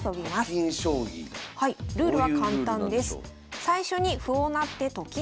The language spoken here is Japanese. ルールは簡単です。